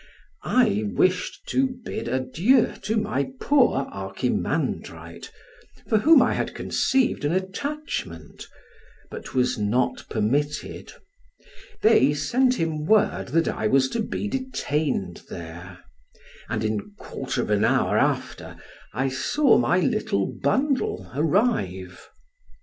I wished to bid adieu to my poor Archimandrite, for whom I had conceived an attachment, but was not permitted; they sent him word that I was to be detained there, and in quarter of an hour after, I saw my little bundle arrive.